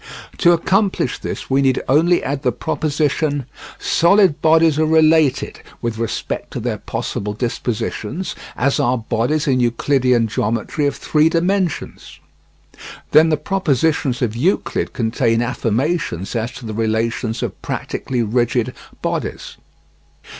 To accomplish this, we need only add the proposition: Solid bodies are related, with respect to their possible dispositions, as are bodies in Euclidean geometry of three dimensions. Then the propositions of Euclid contain affirmations as to the relations of practically rigid bodies.